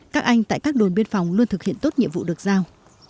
các anh tại các đồn biên phòng luôn thực hiện tốt nhiệm vụ được giao